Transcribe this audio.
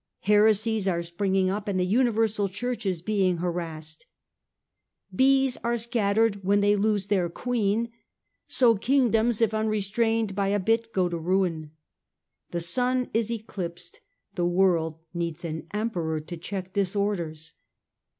Heresies are springing up and the universal Church is being harassed. Bees are scattered when they lose their queen ; so kingdoms, if unrestrained by a bit, go to ruin. The sun is eclipsed ; the world needs an Emperor to check disorders.